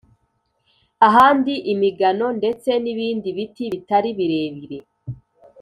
ahandi imigano, ndetse n’ibindi biti bitari birebire